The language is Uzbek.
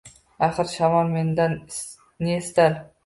Axir, shamol mendan ne istar